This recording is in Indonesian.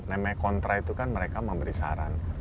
namanya kontra itu kan mereka memberi saran